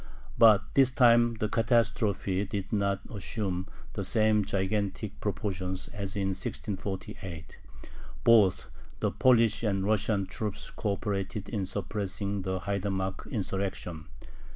But this time the catastrophe did not assume the same gigantic proportions as in 1648. Both the Polish and Russian troops co operated in suppressing the haidamack insurrection.